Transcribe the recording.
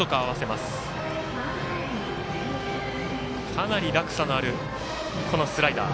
かなり落差のあるスライダー。